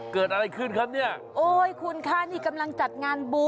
เกิดอะไรขึ้นครับเนี่ยโอ้ยคุณคะนี่กำลังจัดงานบุญ